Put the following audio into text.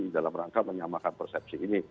dalam rangka menyamakan persepsi ini